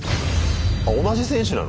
あ同じ選手なの？